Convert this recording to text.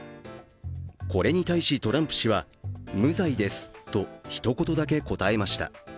これに対してトランプ氏は無罪ですと一言だけ答えました。